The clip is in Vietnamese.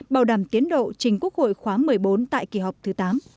bảo đảm tiến độ trình quốc hội khóa một mươi bốn tại kỳ họp thứ tám